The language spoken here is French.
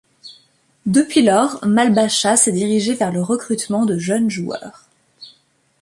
Depuis lors, Malbaša s'est dirigé vers le recrutement de jeunes joueurs.